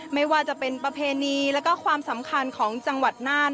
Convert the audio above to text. ไม่ว่าจะเป็นประเพณีแล้วก็ความสำคัญของจังหวัดน่าน